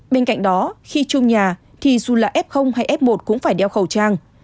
bên cạnh đó khi chuông nhà thì dù là f hay f một cũng phải đeo khẩu trang